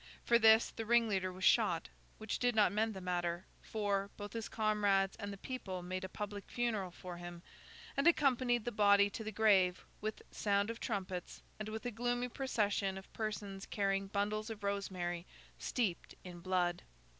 For this, the ringleader was shot: which did not mend the matter, for, both his comrades and the people made a public funeral for him, and accompanied the body to the grave with sound of trumpets and with a gloomy procession of persons carrying bundles of rosemary steeped in blood.